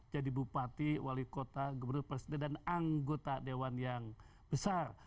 jadi bupati wali kota gubernur presiden dan anggota dewan yang besar